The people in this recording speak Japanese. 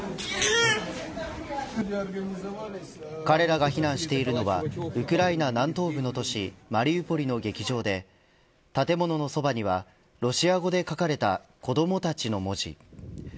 彼らが避難しているのはウクライナ南東部の都市マリウポリの劇場で建物のそばにはロシア語で書かれた子どもたちの文字。